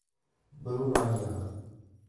Bruno Aguiar